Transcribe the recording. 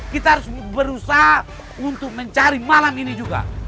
kita harus berusaha untuk mencari malam ini juga